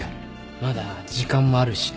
まだ時間もあるしね